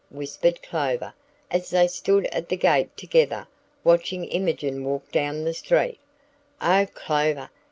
whispered Clover, as they stood at the gate together watching Imogen walk down the street. "Oh, Clover!